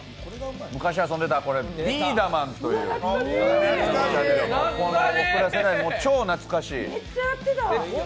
昔遊んでたビーダマンという、僕ら世代超懐かしい。